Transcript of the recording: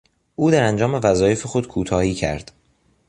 او در انجام وظایف خود کوتاهی کرد.